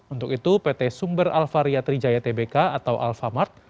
untuk itu pt sumber alvaria trijaya tbk atau alfamart